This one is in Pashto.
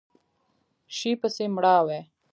شي پسې مړاوی